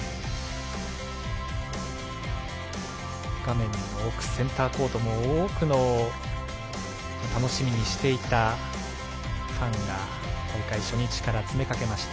画面の奥、センターコートも多くの楽しみにしていたファンが大会初日から詰めかけました。